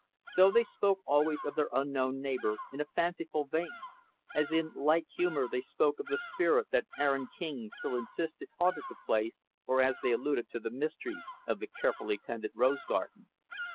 So they spoke always of their unknown neighbor in a fanciful vein, as in like humor they spoke of the spirit that Aaron King still insisted haunted the place, or as they alluded to the mystery of the carefully tended rose garden.